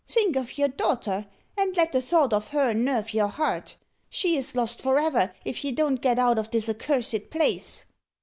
"Think of your daughter, and let the thought of her nerve your heart. She is lost for ever, if you don't get out of this accursed place."